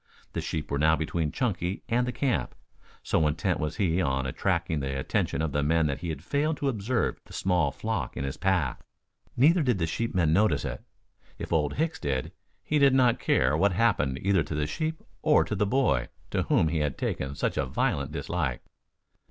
The sheep were now between Chunky and the camp. So intent was he on attracting the attention of the men that he failed to observe the small flock in his path. Neither did the sheepmen notice it. If Old Hicks did, he did not care what happened either to the sheep or to the boy to whom he had taken such a violent dislike.